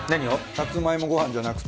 さつまいもごはんじゃなくて。